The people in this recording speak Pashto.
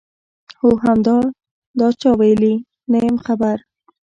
هو همدا، دا چا ویلي؟ نه یم خبر.